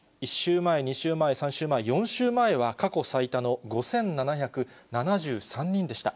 １週前、２週前、３週前、４週前は、過去最多の５７７３人でした。